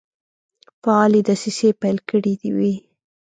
فعالي دسیسې پیل کړي وې.